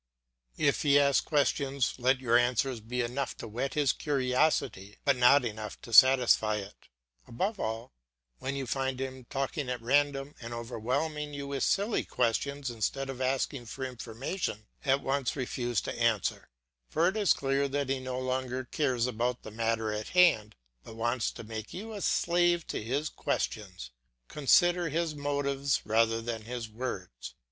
If he asks questions let your answers be enough to whet his curiosity but not enough to satisfy it; above all, when you find him talking at random and overwhelming you with silly questions instead of asking for information, at once refuse to answer; for it is clear that he no longer cares about the matter in hand, but wants to make you a slave to his questions. Consider his motives rather than his words.